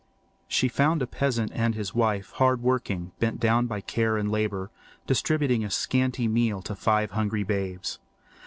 She found a peasant and his wife, hard working, bent down by care and labour, distributing a scanty meal to five hungry babes.